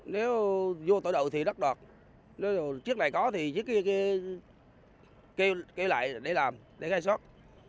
nếu vô tổ đội thì đắt đọt nếu trước này có thì kêu lại để làm để gai sót